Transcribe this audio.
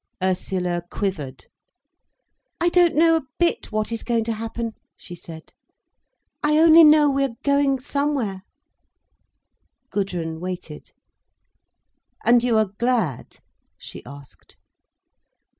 Ursula quivered. "I don't know a bit what is going to happen," she said. "I only know we are going somewhere." Gudrun waited. "And you are glad?" she asked.